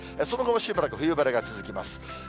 その後もしばらく冬晴れが続きます。